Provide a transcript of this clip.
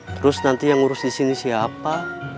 terus nanti yang ngurus disini siapa